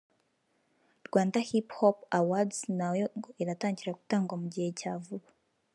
Rwanda Hip Hop Awardz nayo ngo iratangira gutangwa mu gihe cya vuba